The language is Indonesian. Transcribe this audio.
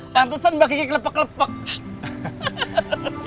tantesan mbak kiki kelepek kelepek